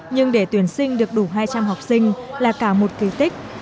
nhưng để tuyển sinh được đủ hai trăm linh học sinh là cả một kỳ tích